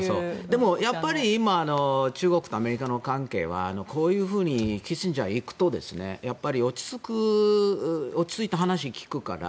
でもやっぱり今中国とアメリカの関係はこういうふうにキッシンジャーが行くとやっぱり落ち着いて話を聞くから